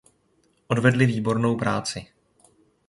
Odvedli výbornou práci.